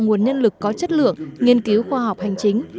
nguồn nhân lực có chất lượng nghiên cứu khoa học hành chính